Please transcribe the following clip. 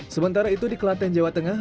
sementara itu di kelaten jawa tengah